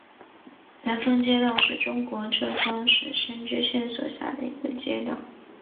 南峰街道是中国浙江省仙居县所辖的一个街道。